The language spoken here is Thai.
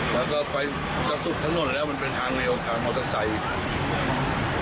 แล้วก็ไปกระตุกถนนแล้วมันเป็นทางเร็วทางมอเตอร์ไซค์